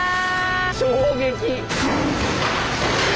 衝撃！